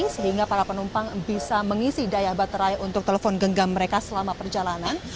jadi para penumpang bisa mengisi daya baterai untuk telepon genggam mereka selama perjalanan